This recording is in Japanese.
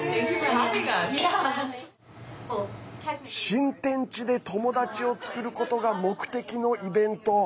新天地で友達を作ることが目的のイベント。